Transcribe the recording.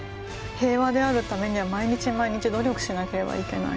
平和であるためには毎日毎日努力しなければいけない。